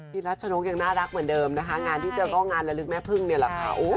รัชนกยังน่ารักเหมือนเดิมนะคะงานที่เจอก็งานระลึกแม่พึ่งเนี่ยแหละค่ะ